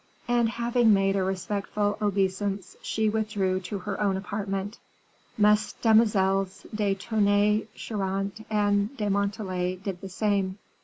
And having made a respectful obeisance she withdrew to her own apartment; Mesdemoiselles de Tonnay Charente and de Montalais did the same.